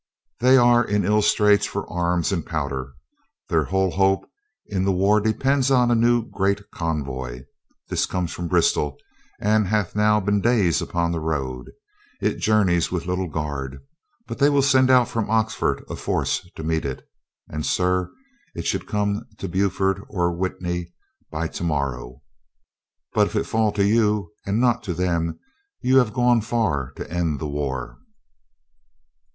They are in ill straits for arms and powder. Their whole hope in the war depends on a new great convoy. This comes from Bristol and hath now been days upon the road. It journeys with little guard, but they will send out from Oxford a force to meet it — and, sir, it should come to Burford or Witney by to morrow. But if it fall to you and not to them you have gone far to end the war."